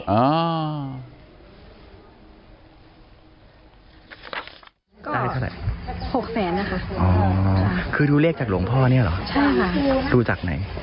หกแสนนะคะอ๋อคือดูเลขจากหลวงพ่อเนี่ยเหรอใช่ค่ะดูจากไหน